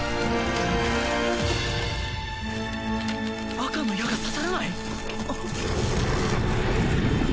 赤の矢が刺さらない！？